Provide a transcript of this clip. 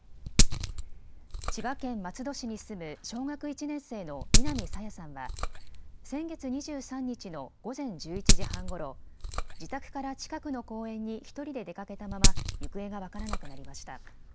千葉県松戸市に住む小学１年生の南朝芽さんは先月２３日の午前１１時半ごろ、自宅から近くの公園に１人で出かけたまま行方が分からなくなりました。